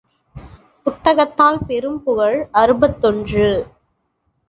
புத்தகத்தால் பெறும் புகழ் அறுபத்தொன்று.